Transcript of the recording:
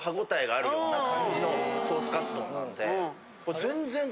ような感じのソースカツ丼なんで。